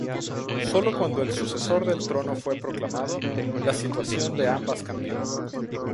Sólo cuando el sucesor del trono fue proclamado, la situación de ambas cambió.